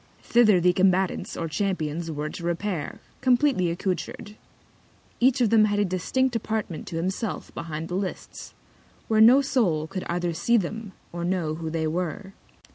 Thither the Combatants, or Champions were to repair, compleatly accoutred. Each of them had a distinct Apartment to himself behind the Lists, where no Soul could either see them, or know who they were.